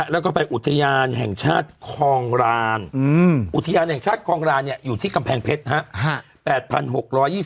แล้วก็ไปอุทยานแห่งชาติคลองรานอุทยานแห่งชาติคลองรานเนี่ยอยู่ที่กำแพงเพชรครับ